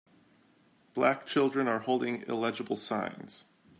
Black children are holding illegible signs.